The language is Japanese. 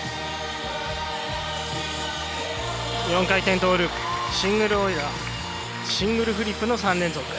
４回転トーループシングルオイラーシングルフリップの３連続。